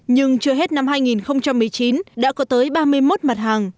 nhưng chưa hết năm hai nghìn một mươi chín đã có tới ba mươi một mặt hàng